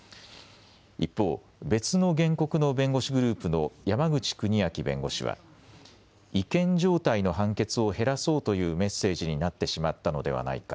一方、別の原告の弁護士グループの山口邦明弁護士は違憲状態の判決を減らそうというメッセージになってしまったのではないか。